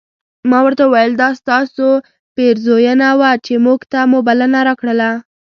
ما ورته وویل دا ستاسو پیرزوینه وه چې موږ ته مو بلنه راکړله.